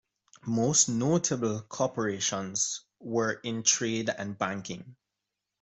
The most notable corporations were in trade and banking.